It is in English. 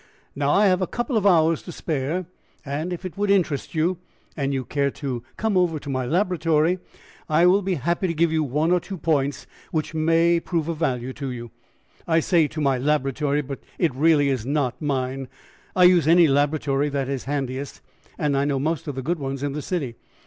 "Now, I have a couple of hours to spare, and, if it would interest you, and you care to come over to my laboratory, I will be happy to give you one or two points which may prove of value to you I say to my laboratory, but it really is not mine; I use any laboratory that is handiest, and I know most of the good ones in the city.